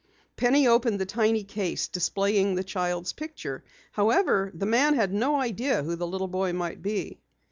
Penny opened the tiny case, displaying the child's picture. However, the man had no idea who the little boy might be.